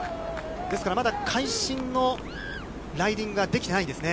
ですからまだ会心のライディングができてないんですね。